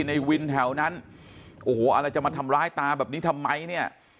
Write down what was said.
ในวินแถวนั้นโอ้โหอะไรจะมาทำร้ายตาแบบนี้ทำไมเนี่ย